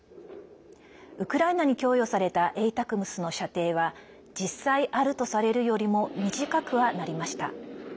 ウクライナに供与されたＡＴＡＣＭＳの射程は実際あるとされるよりも短くはなりました。